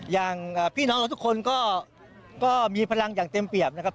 อย่างพี่น้องเราทุกคนก็มีพลังอย่างเต็มเปรียบนะครับ